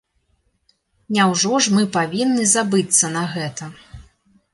Няўжо ж мы павінны забыцца на гэта.